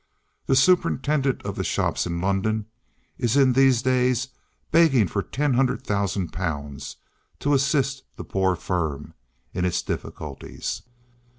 The superintendent of the shops in London is in these days begging for ten hundred thousand pounds to assist the poor firm in its difficulties.